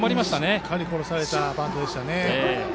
しっかり殺されたバントでしたね。